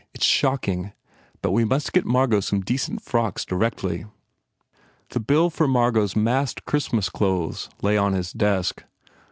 It s shocking. But we must get Margot some decent frocks directly." The bill for Margot s massed Christmas clothes lay on his desk.